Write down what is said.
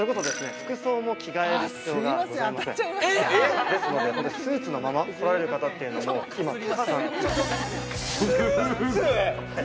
服装も着替える必要がございませんですので本当にスーツのまま来られる方っていうのも今たくさんいますスーツ！？